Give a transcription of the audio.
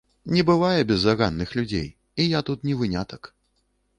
Не бывае беззаганных людзей, і я тут не вынятак.